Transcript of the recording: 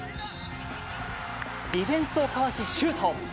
ディフェンスをかわしシュート。